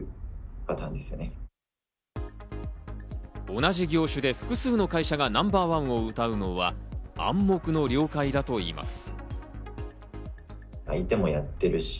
同じ業種で複数の会社がナンバーワンをうたうのは、暗黙の了解だといいます。